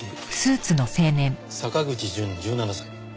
坂口淳１７歳。